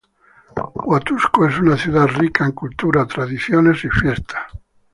Huatusco es una ciudad rica en cultura, tradiciones y fiestas.